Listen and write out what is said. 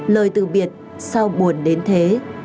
lời từ biệt sao buồn đến thế